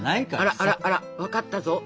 あらあらあら分かったぞ。